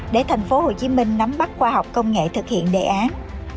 để thành phố hồ chí minh nắm bắt khoa học công nghệ thực hiện đề án